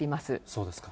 そうですか。